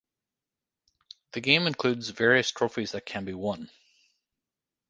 The game includes various trophies that can be won.